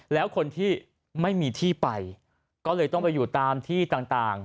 แล้วคนที่ไม่มีที่ไปก็เลยต้องไปอยู่ตามที่ต่าง